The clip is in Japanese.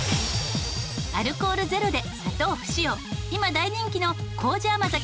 アルコール０で砂糖不使用今大人気の糀甘酒